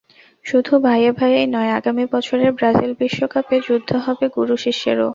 শুধু ভাইয়ে ভাইয়েই নয়, আগামী বছরের ব্রাজিল বিশ্বকাপে যুদ্ধ হবে গুরু-শিষ্যেরও।